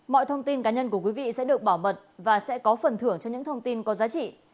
mọi thông tin cá nhân của quý vị sẽ được bảo mật và sẽ có phần thưởng cho những thông tin có giá trị